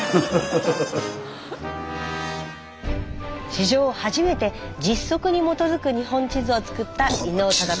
史上初めて実測に基づく日本地図を作った伊能忠敬。